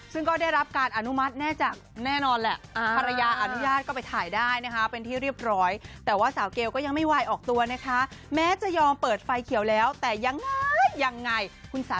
ซึ่งก็ได้รับการอนุมัติแน่จากแน่นอนแหละ